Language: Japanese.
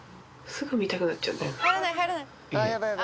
すぐ見たくなっちゃうんだ。